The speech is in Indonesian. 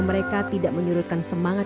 mereka tidak menurutkan semangat